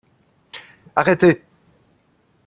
Arrêtez !